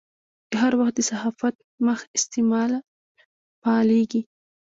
د هر وخت د صحافت مخ استعمار فعالېږي.